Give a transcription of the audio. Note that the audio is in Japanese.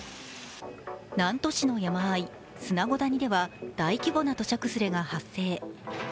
南砺市の山あい、砂子谷では大規模な土砂崩れが発生。